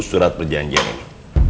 surat perjanjian ini